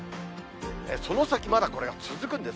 その先、まだこれが続くんです。